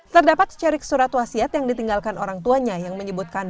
terdapat secerik surat wasiat yang ditinggalkan orang tuanya yang menyebutkan